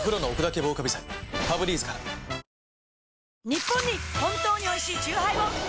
ニッポンに本当においしいチューハイを！